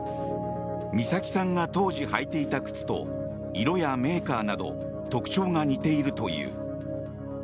美咲さんが当時履いていた靴と色やメーカーなど特徴が似ているという。